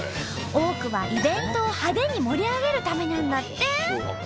多くはイベントを派手に盛り上げるためなんだって。